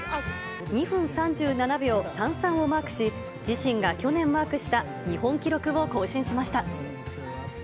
２分３７秒３３をマークし、自身が去年マークした日本記録を更新しました。